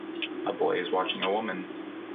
A boy is watching a woman.